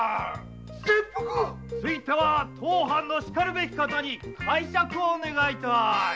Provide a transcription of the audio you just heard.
切腹⁉ついては当藩のしかるべき方に介錯を願いたい。